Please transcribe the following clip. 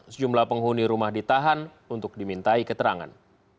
sejumlah penghuni rumah ditahan untuk dimintai keterangan